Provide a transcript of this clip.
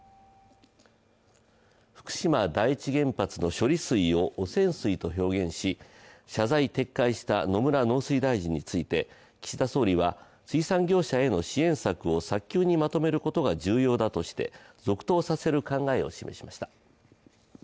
福島第一原発の処理水を汚染水と表現し謝罪・撤回した野村農水大臣について岸田総理は水産業者への支援策を早急にまとめることが重要だとして続投させる考えを示しました。